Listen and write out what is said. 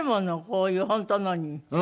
こういう本当のに。